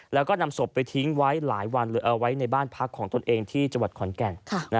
แล้วก็นำศพไปทิ้งไว้หลายวันเอาไว้ในบ้านพักของตนเองที่จังหวัดขอนแก่น